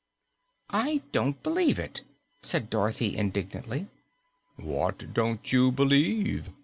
"I don't believe it!" said Dorothy indignantly. "What don't you believe?"